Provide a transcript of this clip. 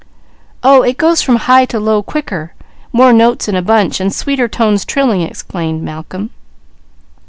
"Oh, it goes from high to low quicker, more notes in a bunch, and sweeter tones trilling," explained Malcolm.